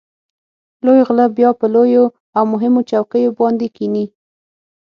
لوی غله بیا په لویو او مهمو چوکیو باندې کېني.